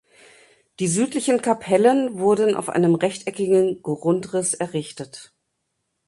Die südlichen Kapellen wurden auf einem rechteckigen Grundriss errichtet.